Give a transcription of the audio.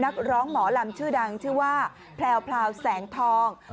นักร้องหมอลำชื่อดังชื่อว่าแพลวแสงทอง